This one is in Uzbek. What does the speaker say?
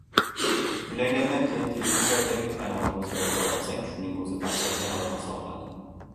Uylangandan keyin televizordagi kanalni o‘zgartira olsang, shuning o‘zi dahshatli g‘alaba hisoblanadi.